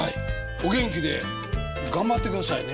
お元気で頑張ってくださいね。